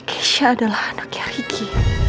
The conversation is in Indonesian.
keisha adalah anaknya riki